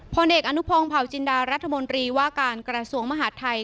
พลเอกอนุพงศ์เผาจินดารัฐมนตรีว่าการกระทรวงมหาดไทย